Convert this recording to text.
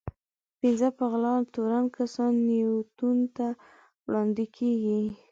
پنځه په غلا تورن کسان نياوتون ته وړاندې کېږي.